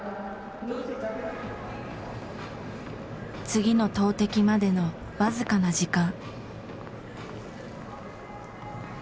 次の投てきまでの僅かな時間。